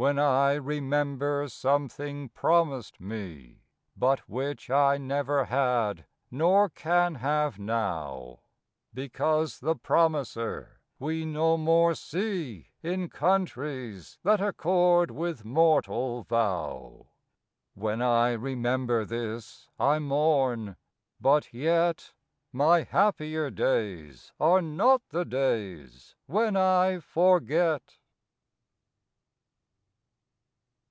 When I remember something promised me, But which I never had, nor can have now, Because the promiser we no more see In countries that accord with mortal vow; When I remember this, I mourn, — but yet My happier days are not the days when I forget.